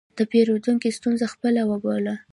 د پیرودونکي ستونزه خپله وبوله.